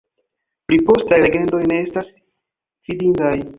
Pli postaj legendoj ne estas fidindaj.